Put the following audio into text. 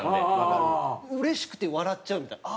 うれしくて笑っちゃうみたいな。